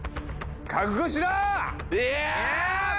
覚悟しろ！